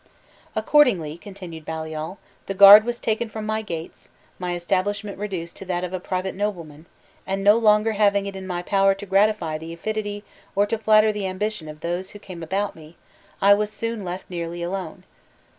"Accordingly," continued Baliol, "the guard was taken from my gates, my establishment reduced to that of a private nobleman, and no longer having it in my power to gratify the avidity or to flatter the ambition of those who came about me, I was soon left nearly alone.